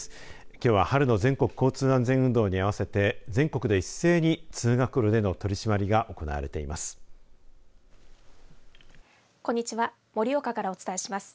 きょうは春の全国交通安全運動に合わせて全国で一斉に通学路への取締りが行われています。